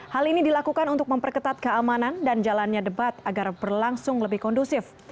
hal ini dilakukan untuk memperketat keamanan dan jalannya debat agar berlangsung lebih kondusif